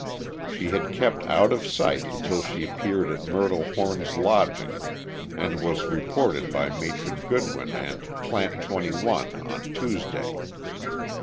She had kept out of sight until she appeared at Myrtle Horn's lodging and was reported by Matron Goodwin and "Plant 21" on Tuesday.